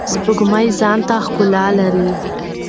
سپوږمۍ ځانته ښکلا لری.